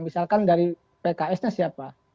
misalkan dari pks nya siapa